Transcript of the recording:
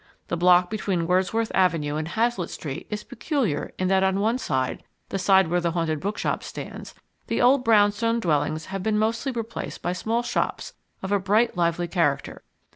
The block between Wordsworth Avenue and Hazlitt Street is peculiar in that on one side the side where the Haunted Bookshop stands the old brownstone dwellings have mostly been replaced by small shops of a bright, lively character.